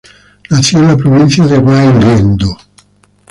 Nació en la provincia de Hwanghae-do.